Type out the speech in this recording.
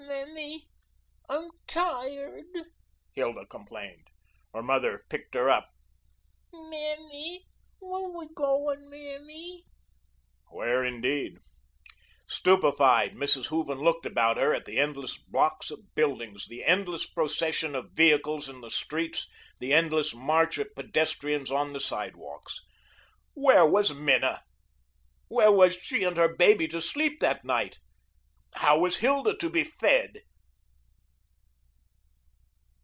"Mammy, I'm tired," Hilda complained. Her mother picked her up. "Mammy, where're we gowun, mammy?" Where, indeed? Stupefied, Mrs. Hooven looked about her at the endless blocks of buildings, the endless procession of vehicles in the streets, the endless march of pedestrians on the sidewalks. Where was Minna; where was she and her baby to sleep that night? How was Hilda to be fed?